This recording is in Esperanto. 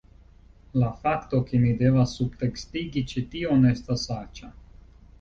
La fakto, ke mi devas subtekstigi ĉi tion, estas aĉa...